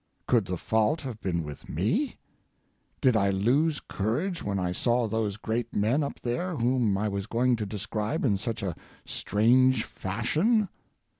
Could the fault have been with me? Did I lose courage when I saw those great men up there whom I was going to describe in such a strange fashion?